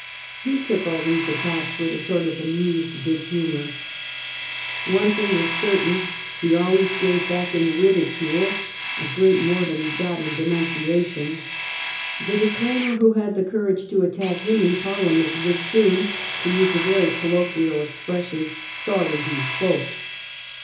He took all these attacks with a sort of amused good humor. One thing was certain : he always gave back in ridicule a great deal more than he got in denun ciation. The declaimer who had the courage to attack him in Parliament was soon, to use a very colloquial expression, sorry he spoke.